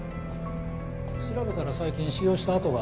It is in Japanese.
調べたら最近使用した跡があった。